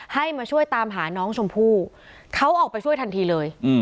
ให้มาช่วยตามหาน้องชมพู่เขาออกไปช่วยทันทีเลย